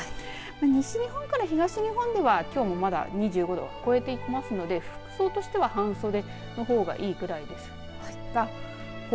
西日本から東日本ではきょうもまだ２５度超えていますので服装としては半袖の方がいいくらいです。